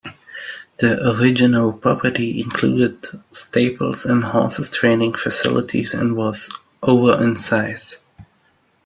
The original property included stables and horse training facilities and was over in size.